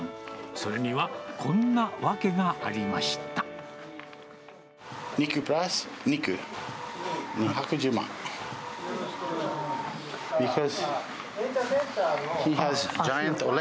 それにはこんな訳がありました。